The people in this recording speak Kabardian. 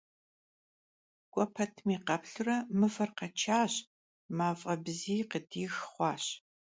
K'ue petmi kheplhure, mıver kheçaş, maf'e bziy khıdix xhuaş.